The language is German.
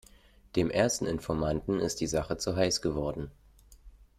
Dem ersten Informanten ist die Sache zu heiß geworden.